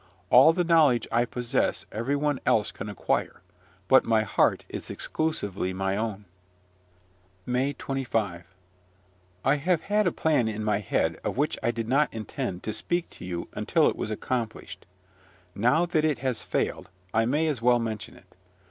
All the knowledge I possess every one else can acquire, but my heart is exclusively my own. MAY 25. I have had a plan in my head of which I did not intend to speak to you until it was accomplished: now that it has failed, I may as well mention it.